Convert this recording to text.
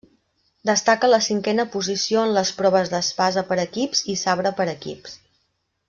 Destaca la cinquena posició en les proves d'espasa per equips i sabre per equips.